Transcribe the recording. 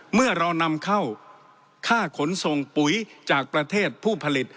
เมื่อเรานำเข้าค่าขนส่งปุ๋ยจากประเทศผู้ผลิต